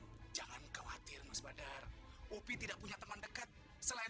hai jangan khawatir mas badar upi tidak punya teman dekat selain